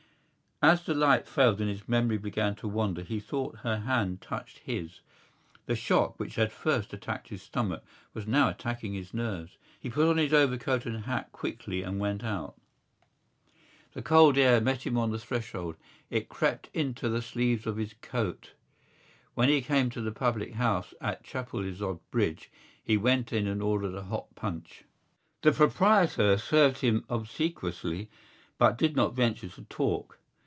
As the light failed and his memory began to wander he thought her hand touched his. The shock which had first attacked his stomach was now attacking his nerves. He put on his overcoat and hat quickly and went out. The cold air met him on the threshold; it crept into the sleeves of his coat. When he came to the public house at Chapelizod Bridge he went in and ordered a hot punch. The proprietor served him obsequiously but did not venture to talk.